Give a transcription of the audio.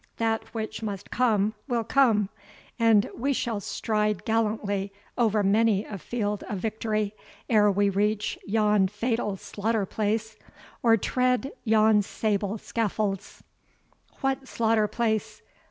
That which must come, will come; and we shall stride gallantly over many a field of victory, ere we reach yon fatal slaughter place, or tread yon sable scaffolds." "What slaughter place?